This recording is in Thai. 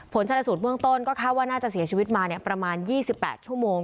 ชนสูตรเบื้องต้นก็คาดว่าน่าจะเสียชีวิตมาประมาณ๒๘ชั่วโมง